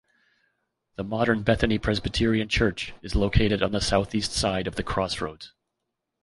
The modern Bethany Presbyterian Church is located on the southeast side of the crossroads.